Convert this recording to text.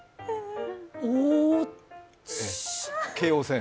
おう京王線。